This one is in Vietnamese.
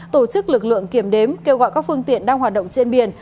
tổ chức lực lượng kiểm đếm kêu gọi các phương tiện đang hoạt động trên biển